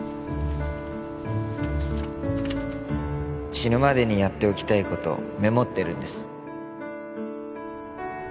死ぬまでにやっておきたい事をメモってるんです。